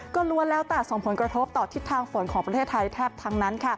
ก็ล้วนแล้วแต่ส่งผลกระทบต่อทิศทางฝนของประเทศไทยแทบทั้งนั้น